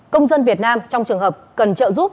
công dân việt nam trong trường hợp cần trợ giúp